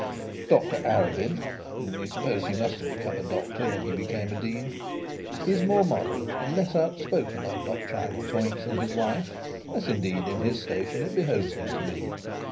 Dr Arabin (we suppose he must have become a doctor when he became a dean) is more moderate and less outspoken on doctrinal points than his wife, as indeed in his station it behoves him to be.